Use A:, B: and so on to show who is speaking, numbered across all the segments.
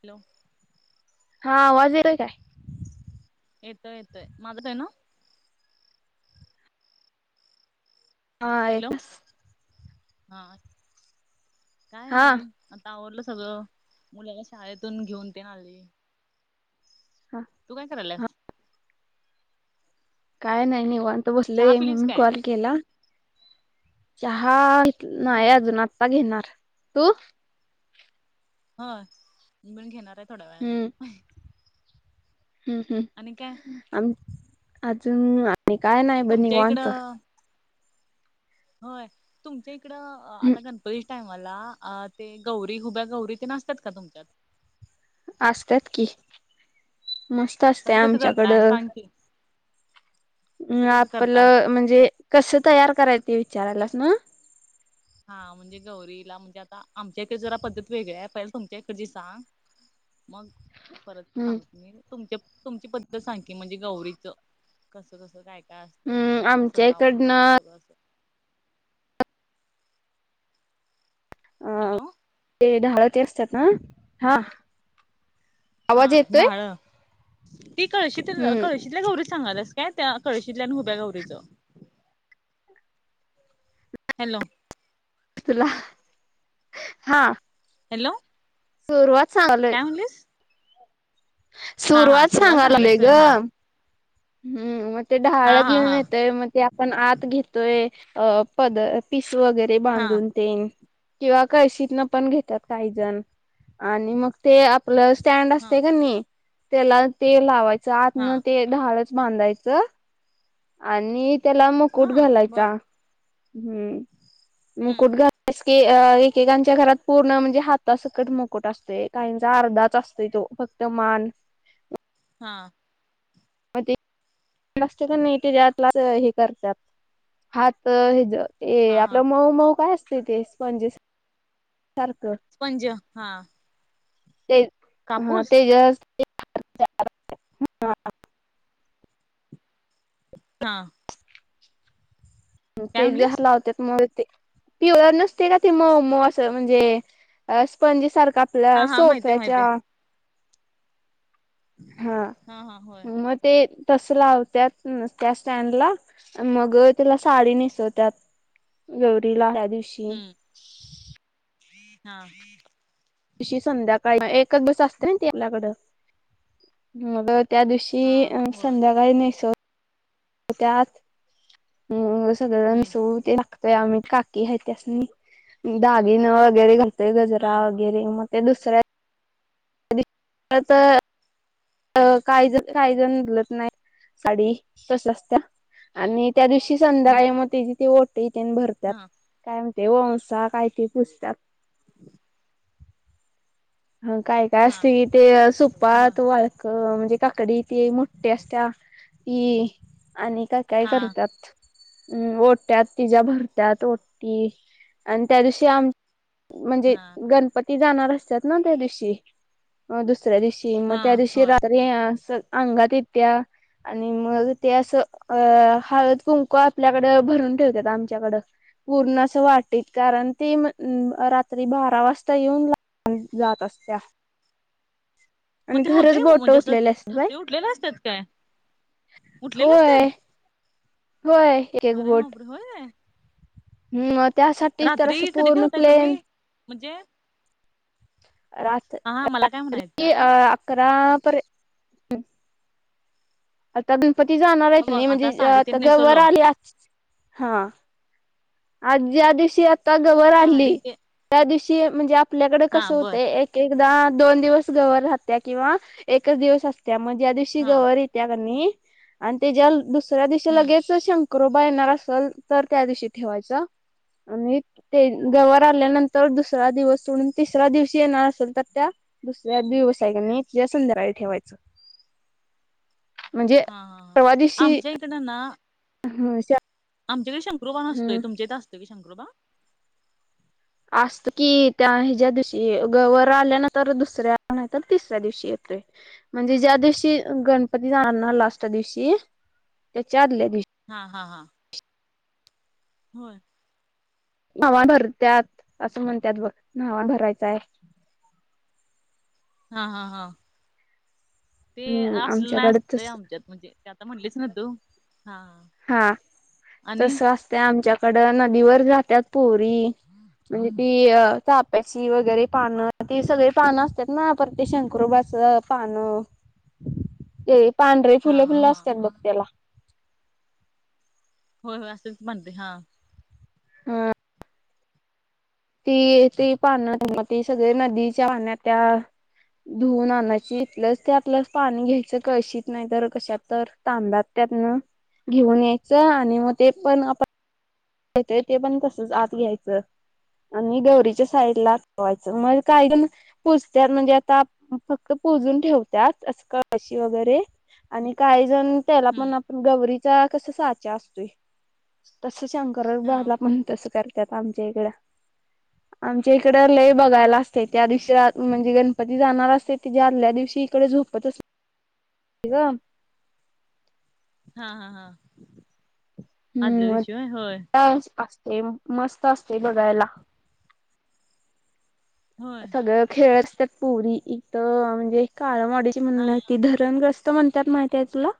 A: Hello
B: हा आवाज येतय काय?
A: येतोय येतोय माझा येते ना.
B: हा
A: हॅलो
B: येत
A: हा काय
B: हा
A: नाही. आवरलं सगळं मुलाला शाळेतून घेऊन तेन आले,
B: हा.
A: तू काय करायलास?
B: काय नाही निव्हात
A: चहा
B: बसलय
A: पिलीस
B: म्हणून
A: काय
B: कॉल केला, चहा, नाही
A: होय
B: अजून आत्ता घेणार, तू?
A: हो मी पण घेणार आहे थोड्या वेळाने,
B: हम्म हम्म हम्म.
A: आणि काय?
B: काय नाही बग
A: तुमच्या
B: निवांत.
A: इकडं होय तुमच्या इकडं आता गण [unintelligible]
B: असतात की मस्त असते
A: कसं कसं करताय
B: आमच्याकडं
A: सांग की कसं कसं करताय
B: आपलं म्हणजे कस तयार करायच विचारायला ना
A: हा म्हणजे गौरीला म्हणजे आता आमच्या इकडे जरा पद्धत वेगळ आहे पहि तुमच्या इकडेची सांग मग. परत
B: हम्म
A: सांग तु तुमच्या तुमची बद्दल सांग की म्हणजे गौरीच कसं कसं काय काय असतं
B: हम्म
A: असं असं
B: आमच्या
A: जाव
B: इकडनं
A: सगळं असं हॅलो!
B: ते धाळ ते असतात ना हा
A: हा
B: आवाज येतोय?
A: धाळ ती कळशीत
B: हम्म
A: कळशीतल्या गर सांगलस काय त्या कळशीतल्या हुब्या गौरीच हॅलो!
B: ला हा.
A: हॅलो!
B: सुरुवात सागळं
A: काय म्हटलीस?
B: सुरुवात सांगालागलोय
A: सांगायलास
B: ग.
A: होय हा
B: हम्म मग ते ढहाळ
A: हा हा
B: घेऊन येतय मग ते. पण आत घेतोय अ पद पिस वगैरे
A: हा
B: बांधून देन किंवा कळशी न पण घेतात काही जण आणि मग ते स्टँड
A: हा हा
B: असते का नाही. त्याला ते लावायचं आतन
A: हा
B: ते ढाळच बांधायचं आणि. त्याला मुकुट
A: हा बर
B: घालायचा हम्म. मुकुट घ एकेकांच्या घरात पूर्ण म्हणजे हातासकट मुकुट असते. काहींचा अर्धाच असतय तो फक्त मान.
A: हा.
B: मग ते मस्त नाही ते त्यात हे करतात हात हे ज. ए
A: हा हा
B: आपलं मऊ मऊ काय असतं ते स्पंजेस सारखं.
A: स्पंज हा.
B: ते हा
A: कापूस
B: तेजस.
A: हा. काय म्हणलीस
B: [inaudible] ती व नसत्या काय मऊ मऊ असं म्हणजे अ स्पंज सारखं
A: हा
B: आपल्या
A: हा माहितीय माहितीय
B: सोफ्याच्या हा
A: हा होय
B: मग ते तस लावत्या त्या स्टँडला मग तिला साडी नेसवत. गौरीला या दिवशी.
A: हम्म हा.
B: दिवशी संध्याकाळी एकच बस असते ना तल्याकड मग त्या दिवशी.
A: हा
B: ती अ
A: होय
B: संध्याकाळी नेसो त्यात अ
A: हं,
B: सगळ्या [unintelligible] आम्ही काकी आहेत त्यास्नी दागिनं वगैरे घालतोय गजरा
A: हां,
B: गैरे मग दुसऱ्या [unintelligible] अ काय जन काही जन बलत नाही साडी तसंच त्या आणि त्या दिवशी
A: हं,
B: संध्याकाळी मग तेची ती ओटी तेन भरत्यात
A: हां,
B: काय म्हणते वंसा काय ते पुसत्यात.
A: [unintelligible]
B: ह काय काय
A: हां,
B: असतय ते
A: बरं,
B: सुपात क म्हणजे काकडी ती मोठी असत्या ती आणि काय? काय
A: हां,
B: करतात. हम ओट्यात तिज्या भरत्यात ओटी आणि त्या दिवशी आम म्हणजे
A: हां,
B: गणपती जाणार असत्यात ना त्या दिवशी अ दुसऱ्या दिवशी. मग त्या
A: हां,
B: दिवशी
A: होय.
B: रात्री अंगात येत्या आणि मग ते अस, अ हळद कुंकू आपल्याकडे भरून ठेवतेात आमच्याकड. पूर्ण अस वाटीत. कारण ते रात्री बारा वाजता येऊन जात असत्या. आणि
A: मग ते
B: खरंच
A: होतेय मग
B: बोट
A: म्हणजे, अस
B: उठलेले असतात बाई
A: ठस उठलेले असतात काय? उठलेले असत्यात.
B: होय होय
A: अरे बापरे! होय.
B: ह त्यासाठी तर अस
A: रात्री कधी
B: पूर्ण
A: ठेवताय तुम्ही?
B: प्लेन
A: म्हणजे
B: रात
A: हां, मला काय
B: रात्री
A: म्हणायचं
B: अ अकरा पर आता गणपती जाणार आहेत
A: हे
B: कि
A: बघ
B: नाही म्हणजे
A: साडी
B: आता
A: तेन
B: गवर
A: नेसवलो
B: आले हा आज ज्या दिवशी आता गवर
A: साडी
B: आणली
A: ते
B: त्या दिवशी म्हणजे आपल्याकडे कस
A: हां, बर
B: होतय एक एकदा दोन दिवस गवर राहत्या. किंवा एकच दिवस असत्या. मग ज्या दिवशी
A: हां,
B: गवर येत्या की नाही, आणि त्याच्या दुसऱ्या दिवशी
A: हं,
B: लगेच शंकरोबा येणार असल तर त्या दिवशी ठेवायचा. आणि ते गवर आल्यानंतर दुसरा दिवस सोडून तिसरा दिवशी येणार असेल तर त्या दुसऱ्या दिवस आहे की नाही संध्याकाळी ठेवायच. म्हणजे
A: हां, हां, हां.
B: परवा दीशी
A: [unintelligible]
B: ह
A: आमच्याकडे शंकरोबा नसतोय. तुमच्या इथे असतोय का शंकरोबा.
B: असत की, त्या हेच्या दिवशी गवर आल्या नंतर दुसऱ्या नाही तर तिसऱ्या दिवशी येतोय‌. म्हणजे ज्या दिवशी गणपती जाणार ना लास्ट दिवशी त्याच्या आदल्या दिवशी.
A: हा हा हा होय
B: नावा भरत्यात अस म्हणतात बघ. नावा भरायचाय.
A: हा हा हा ते
B: हम्म
A: असल नाही
B: आमच्याकडे
A: असतय
B: तस
A: आमच्यात. म्हणजे ते आता म्हणलीच ना तू हा
B: हा तस असत आमच्याकड. नदीवर जातात पोरी. म्हणजे ती चाप्याची वगैरे पान ती सगळे पान असतात ना परत ते शंकरुबाच पान हे पांढरे
A: हा
B: फुल
A: हा
B: फुल
A: हा.
B: असतात बघ त्याला.
A: होय होय असे तर म्हणते हा
B: हम ती तेी पान ती सगळे नदीच्या पाहण्यात त्या धुवन आणायची इथलंच ते आपल्या पाणी घ्यायचं कळशीित नाही तर कशातत तर तांब्यात त्यातन घेऊन यायचं आणि मग ते पण आप होेतय ते पण कसंच आत घ्यायचं आणि गौरीच्या साईड ला ठेवायचं मग कायण पुूजत्यात म्हणजे आता फक्त पोजून ठेवतात अस कळशी वगैरे आणि काहीजण त्याला पण
A: हम्म
B: आपण गौरीचा कस साचा असतोय त त शंकर
A: हा
B: बाला पण तसं करतात आमच्या इकडं आमच्या इकड लय बघायला
A: होय.
B: असते त्या दिवशी म्हणजे गणपती जाणार असते त जे आदल्या दिवशी इकडे झोपत असते ठी का
A: हा हा हा आदल्या विषय होय
B: त्या अस ते मस्त असते बघायला
A: होय
B: सगळं खेळ असतात पुरी इथ म्हणजे काळमाडीची
A: हा
B: म्हणणं ती धरणग्रस्त म्हणतात माहिती आहे तुला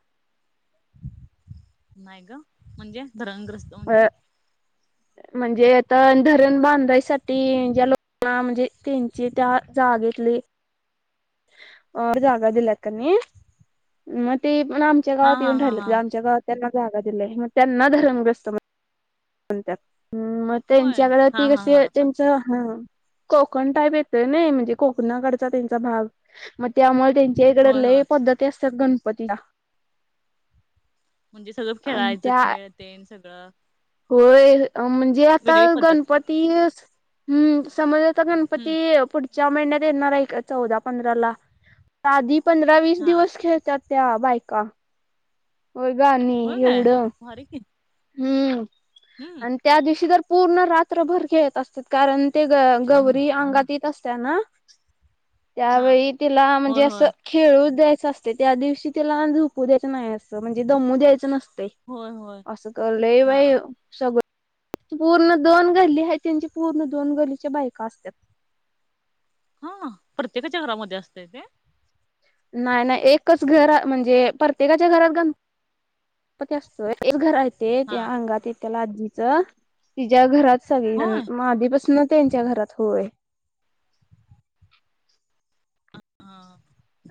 A: नाही ग म्हणजे धरणग्रस्त म्हणजे
B: अ म्हणजे आता धरण बांधायसाठी ज्या लोकांना म्हणजे त्यांची त्या जाग घेतली अ जागा दिल्यात त्यांनी मग ते आमच्या
A: हा
B: गावात
A: हा
B: येऊन
A: हा हा
B: राहिलं आमच्या गावात त्यांना जागा दिली मग त्यांना धर्मग्रस्त कोणत् मग
A: होय
B: त्यांच्याकड
A: हा
B: ती
A: हा
B: कस
A: हा
B: त्यांच
A: असं.
B: हा कोकण टाईप येत नाही म्हणजे कोकणाकडचा त्यांचा भाग मग त्यामुळे त्यां इकडे
A: होय
B: ल
A: होय
B: पद्धती असतात गणपतीला
A: म्हणजे सगळं
B: आणि
A: खेळायचं
B: त्या
A: खेळते सगळं
B: होय म्हणजे आता
A: वेगळी पद्धत
B: गणपती हम् समज चा गणपती
A: हम्म
B: पुढच्या महिन्यात येणार आहे चौदा पंधरा ला आधी पंधरा वीस
A: हा
B: दिवस खेळतात त्या बायका व ग
A: होय काय
B: एवढं
A: भारी की
B: हम्म
A: हम्म
B: आणि त्या दिवशी तर पूर्ण रात्रभर खेेत असतात कारण ते ग गौरी अंगात येत असत ना
A: हा
B: त्यावेळी तिला म्हणजे
A: होय
B: असं
A: होय
B: खेळू द्यायच असते त्या दिवशी त्याला झोपू द्यायचं नाही असं म्हणजे दमू द्यायचं नसते
A: होय होय
B: अससं करले
A: हा
B: भई सगळ पूर्ण दोन गल्ली आहे त्यांची पूर्ण दोन गलीच्या बायका असतात
A: हा प्रत्येकाच्या घरामध्ये असते ते
B: नाही नाही एकच घर म्हणजे प्रत्येकाच्या घरात ग असतोय एक घर येत
A: हा
B: त्या अंगात य त्या आजीचं तिच्या [unintelligible] घरात सगळी
A: होय
B: आधीपासून त्यांच्या घरात होय
A: हां हा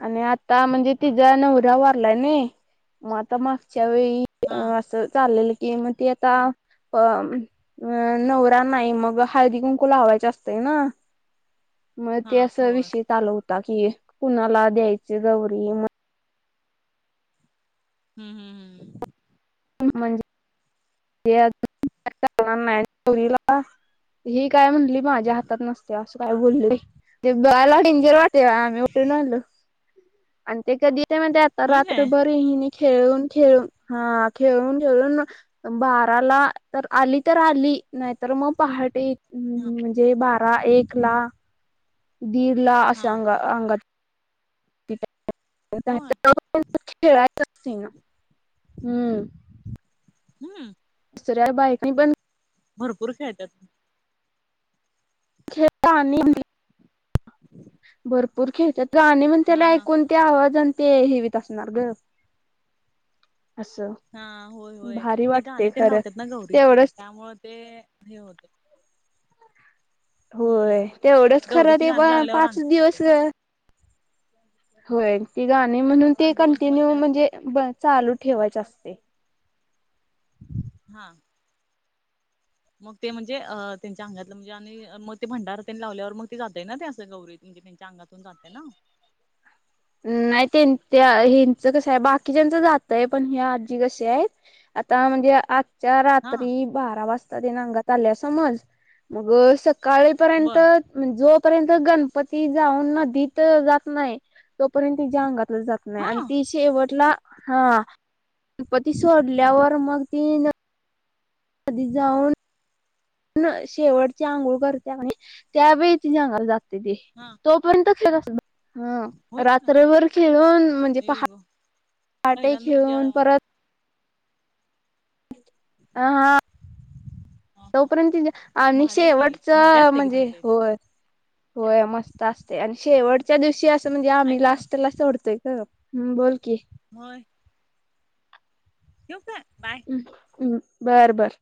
B: आणि आता म्हणजे तिचा नवऱ्या वारलाय न मग आता मागच्या वेळी
A: हा
B: असं चाललेलं की मग ते आता अ अ नवरा नाही मग हळदी कुंकू लावायचे असतंय ना मग ते
A: हा
B: असं
A: होय
B: विषय चालू होता की कुणाला द्यायच गौरी म
A: हम्म हम हम्म
B: म्हणजे ते अजोरीला ही काय म्हटली माझ्या हातात नसत्या काय बोलल ते बलािंजेर वाटे आम्ही उठून आलो, आणि ते कधी म्हण आता
A: होय काय
B: रात्रभर णी खेळून खेळून हा खेळून, खेळून बाराला तर आली तर आली नाहीतर मग पहाटे
A: हा
B: म्हणजे बारा एक ला दीड ला अस
A: हा
B: अ अंगात
A: होय
B: खेळायच अस ना हम्म [inaudible]
A: हम्म
B: तुसऱ्या बायक पण
A: भरपूर खेळतात
B: खेळ आणि
A: हां
B: भरपूर खेळतात आणि मण त्याला
A: हा
B: ऐकून ते आवाज आणि ते हेवीत असणार ग असं
A: हा होय होय
B: भारी
A: ते
B: वाटते
A: गाणी त्यां
B: खरं
A: लावतात ना गौरीची
B: तेवढंच
A: त्यामुल ते हे होते
B: होय
A: हम्म
B: तेवढंच खरं
A: गौरीची
B: ते प
A: गाणी लागल्यावर
B: पाच
A: अंगात येते
B: दिवस होय ती गाणी म्हणून ते
A: पाच दिवस
B: कंटिन्यू
A: मज्जा असते.
B: म्हणजे चालू ठेवायच असते
A: हा मग ते म्हणजे त्यांच्या अंगातलं म्हणजे आणि मग ते भंडारा त्यांनी लावल्यावर मग ते जातय ना ते असं गौरी म्हणजे त्यांच्या अंगातून जाते ना
B: नाही त्यां हच कस आहे बाकीच्याच जातय पण हे आजी कसे आहेत आता म्हणजे आ च्या
A: हा
B: रात्री बारा वाजता तेंगात आल्या समज मग काळेपर्यंत
A: बर
B: जोपर्यंत गणपती जाऊन नदीत जात नाही तोपर्यंत तिच्या अंगातला जात नाही
A: हा
B: आणि ती ती शेवटला हं सोडल्यावर मग ती कधी जाऊन शेवटचे आंघोळ करते आणि त्यावेळी तिज्या अंगाला जात ते
A: हा
B: तो तो पर्यंत खेळत
A: होय काय
B: रात्रभर खेळून म्हणजे पहाट ठे
A: पहिल्यांदा म्हणजे
B: घेळून
A: हा
B: परत हं हा
A: हा
B: तोपर्यंत
A: भारी आहे की भारी
B: शेवटचं
A: असते की
B: म्हणजे
A: तुमच्या इथ
B: हो होय मस्त असते आणि शेवटच्या दिवशी असं म्हणजे
A: ऐक
B: आम्ही
A: ना
B: लास्टला सोडतोय का हम्म बोल की?
A: मय ठेव का बाय
B: हम्म बरं बर